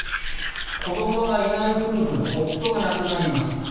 子どもがいない夫婦の夫が亡くなりました。